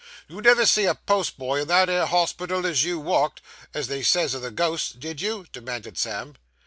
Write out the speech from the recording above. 'You never see a postboy in that 'ere hospital as you _walked _(as they says o' the ghosts), did you?' demanded Sam.